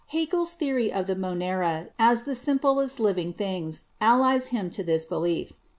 Haeckel's theory of the Monera as the simplest of living things allies him to this belief.